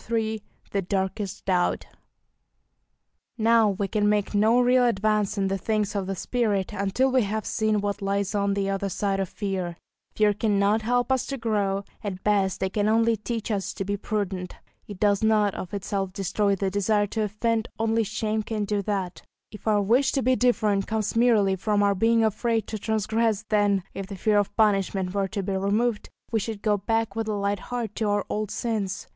III THE DARKEST DOUBT Now we can make no real advance in the things of the spirit until we have seen what lies on the other side of fear; fear cannot help us to grow, at best it can only teach us to be prudent; it does not of itself destroy the desire to offend only shame can do that; if our wish to be different comes merely from our being afraid to transgress, then, if the fear of punishment were to be removed, we should go back with a light heart to our old sins.